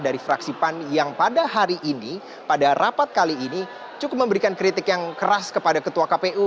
dari fraksi pan yang pada hari ini pada rapat kali ini cukup memberikan kritik yang keras kepada ketua kpu